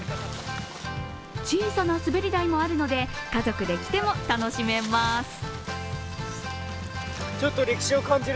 小さな滑り台もあるので家族で来ても楽しめます。